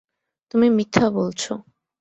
তুমি মিথ্যা বলছো।